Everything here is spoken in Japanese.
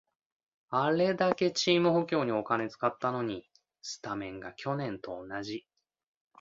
あれだけチーム補強にお金使ったのに、スタメンが昨年と同じ